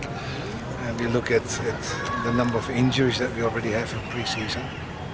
kita melihat jumlah penyakit yang sudah kita miliki di pre season